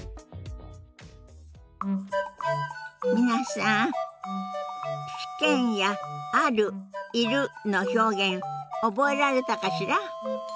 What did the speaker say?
皆さん「試験」や「ある」「いる」の表現覚えられたかしら。